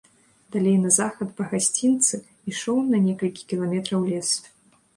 Далей на захад па гасцінцы ішоў на некалькі кіламетраў лес.